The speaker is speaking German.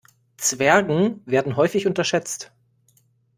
Zwergen werden häufig unterschätzt.